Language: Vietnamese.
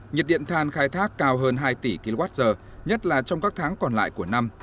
nhiệt điện than khai thác cao hơn hai tỷ kwh nhất là trong các tháng còn lại của năm